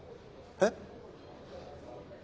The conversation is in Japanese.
えっ！？